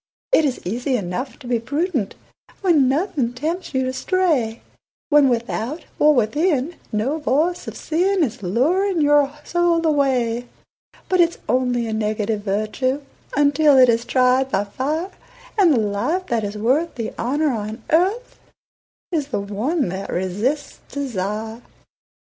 It is easy enough to be prudent When nothing tempts you to stray, When without or within no voice of sin Is luring your soul away; But it's only a negative virtue Until it is tried by fire, And the life that is worth the honour on earth Is the one that resists desire.